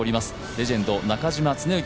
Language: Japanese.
レジェンド・中嶋常幸